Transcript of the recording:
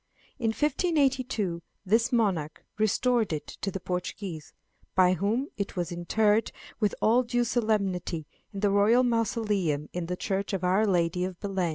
In 1582 this monarch restored it to the Portuguese, by whom it was interred with all due solemnity in the royal mausoleum in the church of Our Lady of Belem.